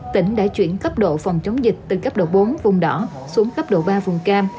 tỉnh đã chuyển cấp độ phòng chống dịch từ cấp độ bốn vùng đỏ xuống cấp độ ba vùng cam